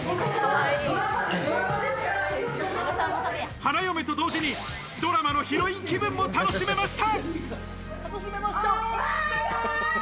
花嫁と同時にドラマのヒロイン気分も楽しめました。